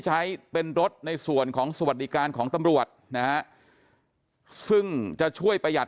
ใช้เป็นรถในส่วนของสวัสดิการของตำรวจนะฮะซึ่งจะช่วยประหยัด